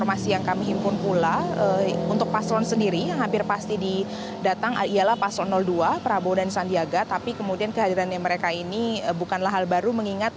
adalah paslon dua prabowo dan sandiaga tapi kemudian kehadirannya mereka ini bukanlah hal baru mengingat